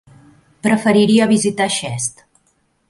Preferiria visitar Xest.